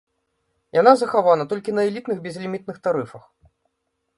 Яна захавана толькі на элітных безлімітных тарыфах.